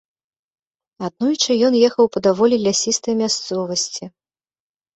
Аднойчы ён ехаў па даволі лясістай мясцовасці.